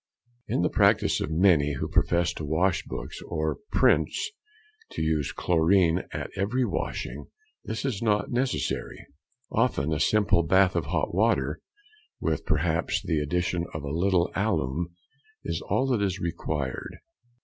It is the practice of many who profess to wash books or prints to use chlorine at every washing; this is not necessary; often a simple bath of hot water, with perhaps the |158| addition of a little alum, is all that is required.